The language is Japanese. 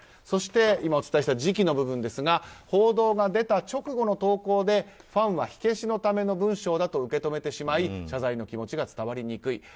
そして今お伝えした時期の部分ですが報道が出た直後の投稿でファンは火消しのための文章だと受け止めてしまい謝罪の気持ちが伝わりにくい。